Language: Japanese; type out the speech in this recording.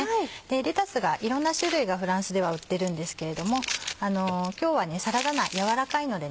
レタスが色んな種類がフランスでは売ってるんですけれども今日はサラダ菜柔らかいのでね。